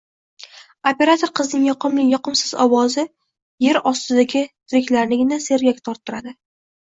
Operator qizning yoqimli-yoqimsiz ovozi yer ostidagi tiriklarnigina sergak torttiradi